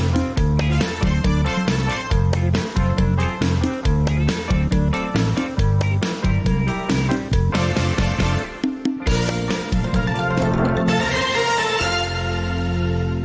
โปรดติดตามตอนต่อไป